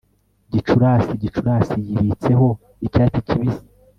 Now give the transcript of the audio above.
gicurasi gicurasi yibitseho icyatsi kibisi